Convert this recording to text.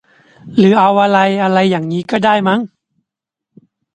หรือเอา อะไรอย่างงี้ก็ได้มั้ง